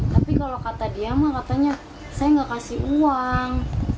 tapi kalau kata dia mah katanya saya nggak kasih uang